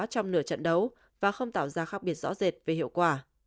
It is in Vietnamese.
trong nửa trận đấu và không tạo ra khác biệt rõ rệt về hiệu quả